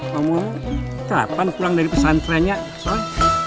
kamu kapan pulang dari pesantrenya soi